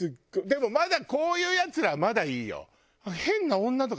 でもまだこういうヤツらはまだいいよ。